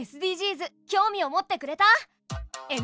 ＳＤＧｓ興味を持ってくれた？